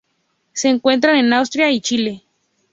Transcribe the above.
Se encuentran en Australia y Chile.